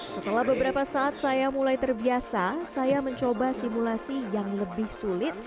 setelah beberapa saat saya mulai terbiasa saya mencoba simulasi yang lebih sulit